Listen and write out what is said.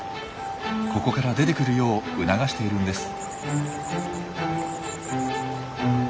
ここから出てくるよう促しているんです。